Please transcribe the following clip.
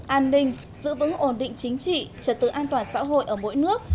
an ninh giữ vững ổn định chính trị trật tự an toàn xã hội ở mỗi nước